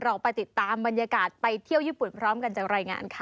เราไปติดตามบรรยากาศไปเที่ยวญี่ปุ่นพร้อมกันจากรายงานค่ะ